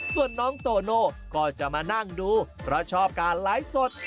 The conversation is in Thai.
ส่วนน้องโตโน่ก็จะมานั่งดูเพราะชอบการไลฟ์สด